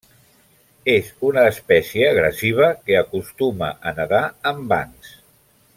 És una espècie agressiva que acostuma a nedar en bancs.